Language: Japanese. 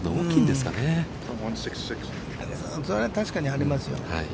それは確かにありますよ。